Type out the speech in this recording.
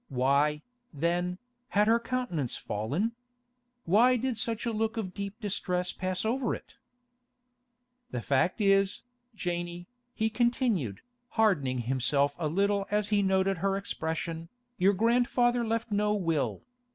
Why, then, had her countenance fallen? Why did such a look of deep distress pass over it? 'The fact is, Janey,' he continued, hardening himself a little as he noted her expression, 'your grandfather left no will.